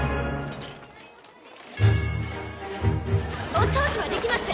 お掃除はできまして？